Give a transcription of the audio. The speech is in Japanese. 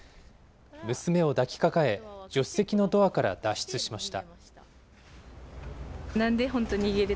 娘を抱きかかえ、助手席のドアから脱出しました。